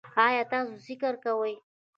ایا تاسو ذکر کوئ؟